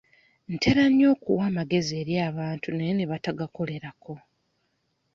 Ntera nnyo okuwa amagezi eri abantu naye ne batagakolerako.